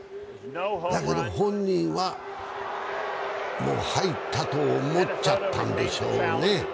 だけど、本人は、もう入ったと思っちゃったんでしょうね。